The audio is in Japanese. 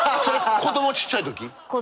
子どもちっちゃい時。